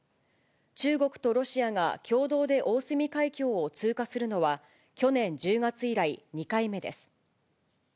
中国とロシアが共同で大隅海峡を通過するのは、去年１０月以来２回目です。